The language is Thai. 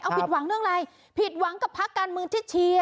เอาผิดหวังเรื่องอะไรผิดหวังกับพักการเมืองที่เชียร์